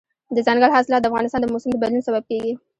دځنګل حاصلات د افغانستان د موسم د بدلون سبب کېږي.